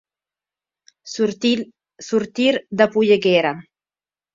Sortir de polleguera.